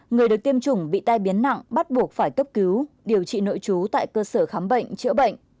người được tiêm chủng bị tai biến nặng bắt buộc phải cấp cứu điều trị nội trú tại cơ sở khám bệnh chữa bệnh